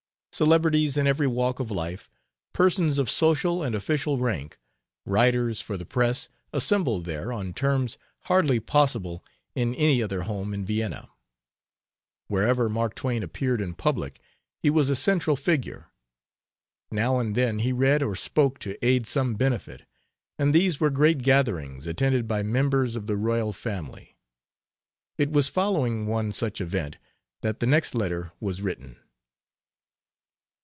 Celebrities in every walk of life, persons of social and official rank, writers for the press, assembled there on terms hardly possible in any other home in Vienna. Wherever Mark Twain appeared in public he was a central figure. Now and then he read or spoke to aid some benefit, and these were great gatherings attended by members of the royal family. It was following one such event that the next letter was written.